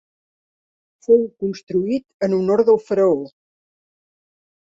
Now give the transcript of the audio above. Fou construït en honor del faraó.